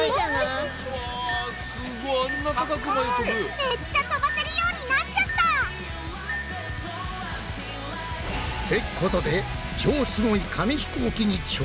めっちゃ飛ばせるようになっちゃった！ってことで超スゴイ紙ひこうきに挑戦！